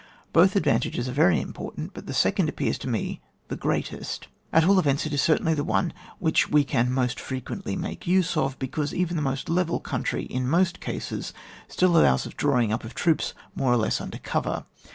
Both advantages are very important, but the second appears to me the greatest: at all events it is certainly the one which we can most frequently make use of, because, even the most level country, in most cases, still allows of drawing up troops more or less under cover.